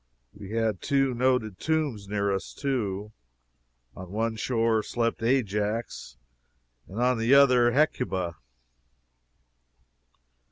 We had two noted tombs near us, too. On one shore slept Ajax, and on the other Hecuba.